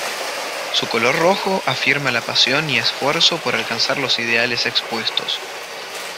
Su color rojo afirma la pasión y esfuerzo por alcanzar los ideales expuestos.